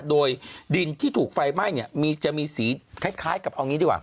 โดยดินที่ถูกไฟไหม้เนี่ยจะมีสีคล้ายกับเอางี้ดีกว่า